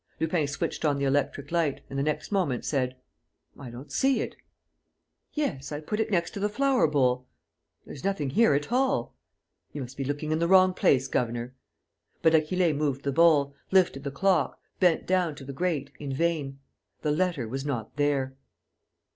Lupin switched on the electric light and, the next moment, said: "I don't see it...." "Yes.... I put it next to the flower bowl." "There's nothing here at all." "You must be looking in the wrong place, governor." But Achille moved the bowl, lifted the clock, bent down to the grate, in vain: the letter was not there.